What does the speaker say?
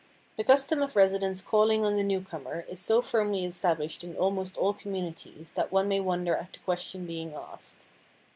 The custom of residents calling on the newcomer is so firmly established in almost all communities that one may wonder at the question being asked.